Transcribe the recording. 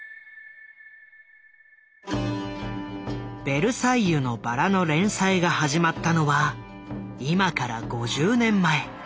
「ベルサイユのばら」の連載が始まったのは今から５０年前。